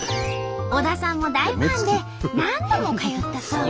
小田さんも大ファンで何度も通ったそう。